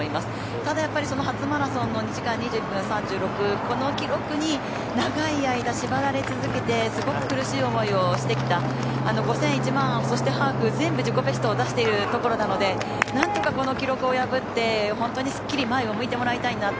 ただ、やっぱり初マラソンの２時間２１分３６この記録に長い間、縛られ続けてすごく苦しい思いをしてきた５０００、１万、そしてハーフ、全部自己ベストを出しているところなので何とかこの記録を破って本当にすっきり前を向いてもらいたいなと。